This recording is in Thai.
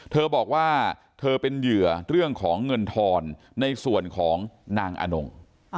เธอบอกว่าเธอเป็นเหยื่อเรื่องของเงินทอนในส่วนของนางอนง